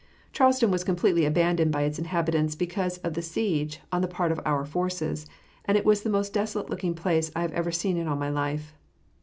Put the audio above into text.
Charleston was completely abandoned by its inhabitants because of the siege on the part of our forces, and it was the most desolate looking place I have ever seen in all my life.